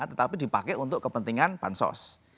tetapi dipakai untuk kepentingan bansos